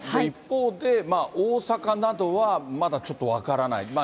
一方で、大阪などはまだちょっと分からない。